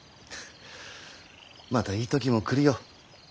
またいい時も来るよ。